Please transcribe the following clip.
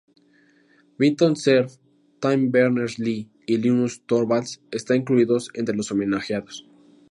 Vinton Cerf, Tim Berners-Lee y Linus Torvalds están incluidos entre los homenajeados.